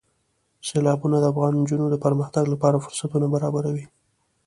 سیلابونه د افغان نجونو د پرمختګ لپاره فرصتونه برابروي.